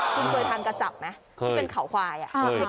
คุณเคยทานกระจับไหมที่เป็นเขาควาย